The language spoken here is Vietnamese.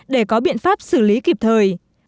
để có biện pháp xử lý kịp thời